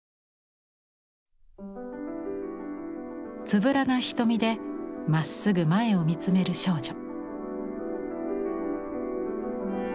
つぶらな瞳でまっすぐ前を見つめる少女。